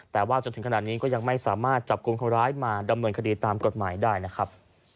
แต่ว่าจนถึงขนาดนี้ก็ยังไม่สามารถจับกลุ่มคนร้ายมาดำเนินคดีตามกฎหมายได้นะครับ